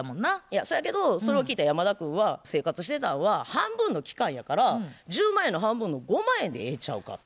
そやけどそれを聞いた山田君は生活してたんは半分の期間やから１０万円の半分の５万円でええんちゃうかと。